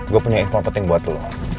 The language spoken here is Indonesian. gue punya income penting buat lo